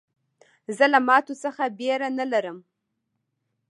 زه له ماتو څخه بېره نه لرم.